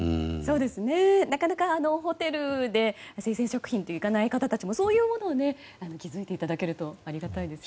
なかなかホテルで生鮮食品とはいかない方たちもそういうものを気付いていただけるとありがたいですね。